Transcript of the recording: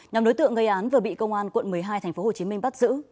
nhóm đối tượng gây án vừa bị công an quận một mươi hai tp hcm bắt giữ